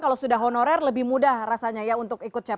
kalau sudah honorer lebih mudah rasanya untuk ikut cpns